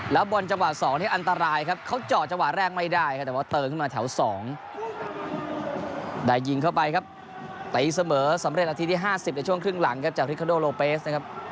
แล้วบอนเจางวาด๒อันตรายครับเค้าเจาะเจางวาดแรกไม่ได้แต่วาทเติร์นออกมาแถว๒